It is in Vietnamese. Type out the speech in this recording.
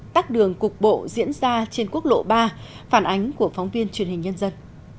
tắt đường cục bộ diễn ra trên quốc lộ ba phản ánh của phóng viên truyền hình nhân dân